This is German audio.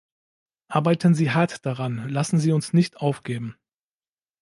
Arbeiten Sie hart daran, lassen Sie uns nicht aufgeben!